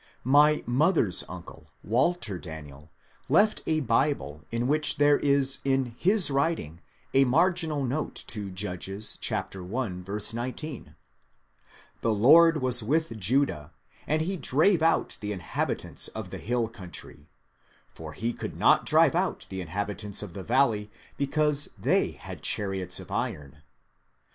My mother's uncle, Walter Daniel, left a Bible in which there is in his writing a marginal note to Judges i, 19 :^^ The Lord was with Judah ; and he drave out the inhabitants of the hill country; for he could not drive out the inhabitants of the valley because they had chariots of iron."